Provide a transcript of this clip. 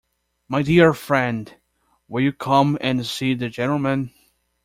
My dear friend, will you come and see the gentleman?